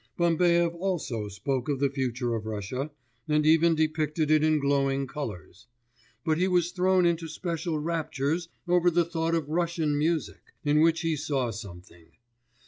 Bambaev also spoke of the future of Russia, and even depicted it in glowing colours: but he was thrown into special raptures over the thought of Russian music, in which he saw something.